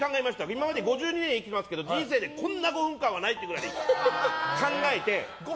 今まで５２年生きてきましたけど人生でこんな５分間はないぐらい考えて。